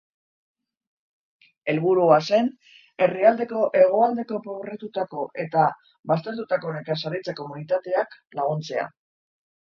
Helburua zen herrialdeko hegoaldeko pobretutako eta baztertutako nekazaritza-komunitateak laguntzea.